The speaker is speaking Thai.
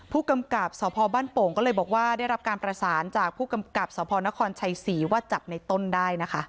ผู้กำกับสพบ้านโป่งก็เลยบอกว่าได้รับการประสานจากผู้กำกับสพนครชัยศรีว่าจับในต้นได้นะคะ